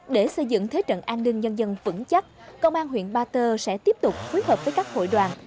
để xây dựng thế trận an ninh nhân dân vững chắc công an huyện ba tơ sẽ tiếp tục phối hợp với các hội đoàn